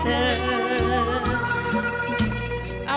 ขอโชคดีค่ะ